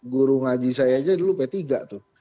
guru ngaji saya aja dulu p tiga tuh